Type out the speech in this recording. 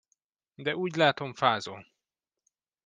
De úgy látom, fázol.